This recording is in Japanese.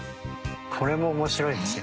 これも面白いですね。